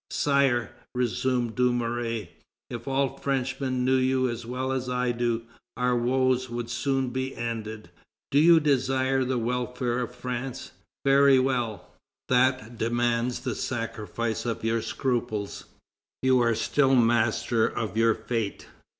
"Sire," resumed Dumouriez, "if all Frenchmen knew you as well as I do, our woes would soon be ended. Do you desire the welfare of France? Very well! That demands the sacrifice of your scruples ... You are still master of your fate.